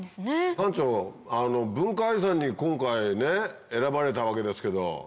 館長文化遺産に今回ね選ばれたわけですけど。